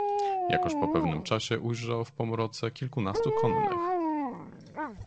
"Jakoż po pewnym czasie ujrzał w pomroce kilkunastu konnych."